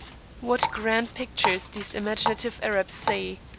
What grand pictures these imaginative Arabs see!